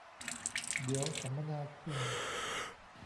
เดี๋ยวสมนาคุณ